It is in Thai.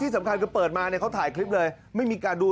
สำคัญเปิดมาเขาถ่ายคลิปเลยมันไม่มีการดู